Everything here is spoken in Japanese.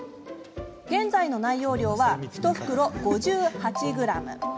現在の内容量は、１袋５８ｇ。